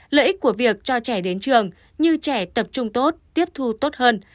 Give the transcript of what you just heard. lợi ích của việc cho trẻ đến trường như trẻ tập trung tốt tiếp thu tốt hơn